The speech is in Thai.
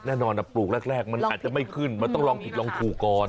แน่นอนปลูกแรกมันอาจจะไม่ขึ้นมันต้องลองผิดลองถูกก่อน